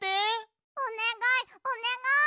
おねがいおねがい！